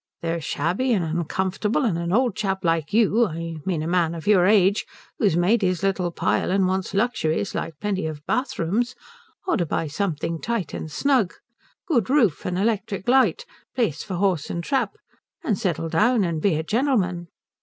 They're shabby and uncomfortable, and an old chap like you I mean, a man of your age, who's made his little pile, and wants luxuries like plenty of bathrooms ought to buy something tight and snug. Good roof and electric light. Place for horse and trap. And settle down and be a gentleman."